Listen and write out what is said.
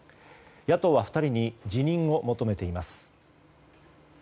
野党は２人に辞任を求めています。